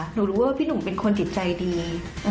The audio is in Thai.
หนูรู้ว่าพี่หนุ่มเป็นคนจิตใจดี